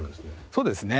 そうですね。